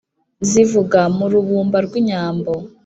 zivuga mu rubumba rw' inyambo